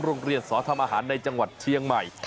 โรงเรียนสอทำอาหารในจังหวัดเชียงใหม่